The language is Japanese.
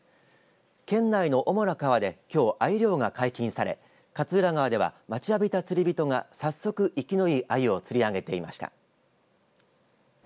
県内の主な川できょう、あゆ漁が解禁され勝浦川では待ちわびた釣り人が早速生きのいいあゆを釣りあげていました。